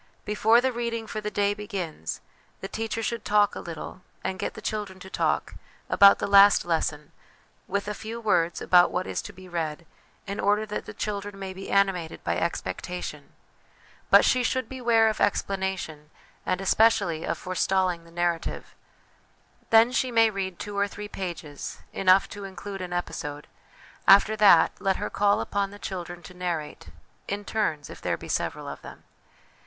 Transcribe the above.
Before the reading for the day begins, the teacher should talk a little (and get the children to talk) about the last lesson, with a few words about what is to be read, in order that the children may be animated by 1 See Appendix A. LESSONS AS INSTRUMENTS OF EDUCATION 233 expectation ; but she should beware of explanation, and, especially, of forestalling the narrative. Then, she may read two or three pages, enough to include an episode ; after that, let her call upon the children to narrate, in turns, if there be several of them.